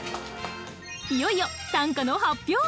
いよいよ短歌の発表！